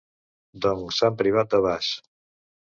Doncs Sant Privat de Bas...